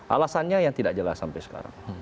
alasannya yang tidak jelas sampai sekarang